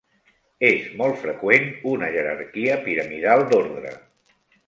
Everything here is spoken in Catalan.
És molt freqüent una jerarquia piramidal d'ordre.